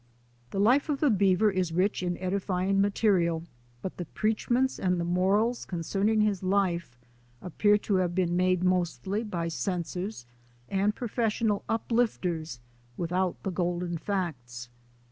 The life of the beaver is rich in edifying material, but the preachments and morals concerning his life appear to have been made mostly by censors and professional uplifters without the golden facts.